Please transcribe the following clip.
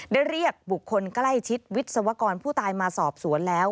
ได้เรียกบุคคลใกล้ชิดวิศวกรผู้ตายมาสอบสวนแล้ว